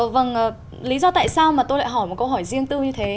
vâng lý do tại sao mà tôi lại hỏi một câu hỏi riêng tư như thế